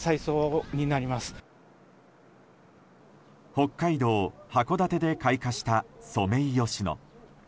北海道函館で開花したソメイヨシノ。